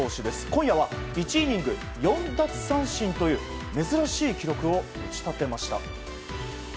今夜は１イニング４奪三振という珍しい記録を打ち立てました。